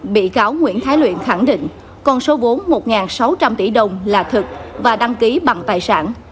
bị cáo nguyễn thái luyện khẳng định con số vốn một sáu trăm linh tỷ đồng là thực và đăng ký bằng tài sản